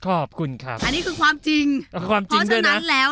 อันนี้คือความจริงเพราะฉะนั้นแล้ว